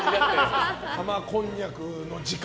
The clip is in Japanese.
玉こんにゃくの時間。